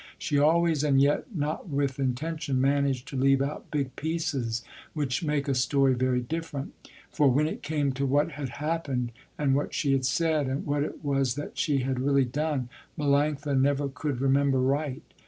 She always, and yet not with intention, managed to leave out big pieces which make a story very different, for when it came to what had happened and what she had said and what it was that she had really done, Melanctha never could remember right.